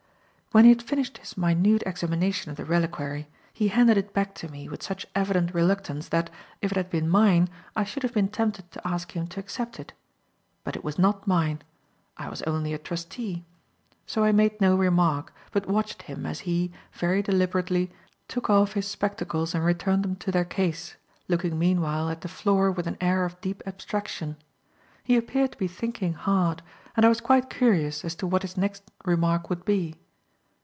When he had finished his minute examination of the reliquary, he handed it back to me with such evident reluctance that, if it had been mine, I should have been tempted to ask him to accept it. But it was not mine. I was only a trustee. So I made no remark, but watched him as he, very deliberately, took off his spectacles and returned them to their case, looking meanwhile, at the floor with an air of deep abstraction. He appeared to be thinking hard, and I was quite curious as to what his next remark would be.